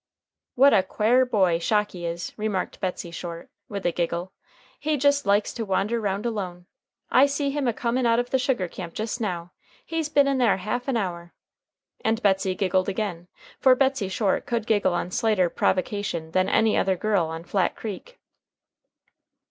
"What a quare boy Shocky is!" remarked Betsey Short, with a giggle. "He just likes to wander round alone. I see him a comin' out of the sugar camp just now. He's been in there half an hour." And Betsey giggled again; for Betsey Short could giggle on slighter provocation than any other girl on Flat Creek.